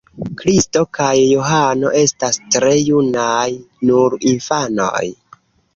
Kristo kaj Johano estas tre junaj, nur infanoj.